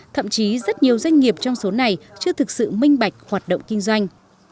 thậm chí rất nhiều doanh nghiệp trong số này chưa thực sự minh bạch hoạt động kinh doanh